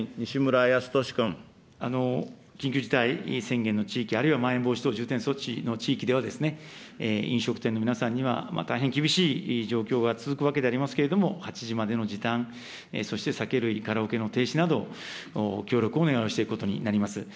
緊急事態宣言の地域、あるいはまん延防止等重点措置の地域では、飲食店の皆さんには、大変厳しい状況が続くわけでありますけれども、８時までの時短、そして酒類、カラオケの停止など、協力をお願いしていくことになります。